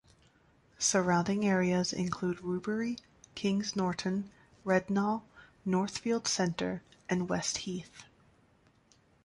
Surrounding areas include Rubery, Kings Norton, Rednal, Northfield centre and West Heath.